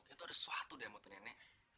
itu ada sesuatu deh mau ternyata